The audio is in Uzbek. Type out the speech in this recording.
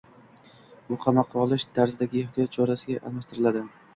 bu qamoqqa olish tarzidagi ehtiyot chorasiga almashtiriladi.